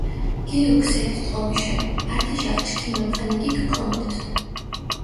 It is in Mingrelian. გილურქ სერით ტყობიშენ, ართიშახ ჩქიმ ამხანაგიქ ქომორთ.